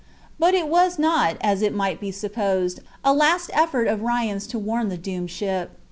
But it was not, as might be supposed, a last effort of Ryan's to warn the doomed ship.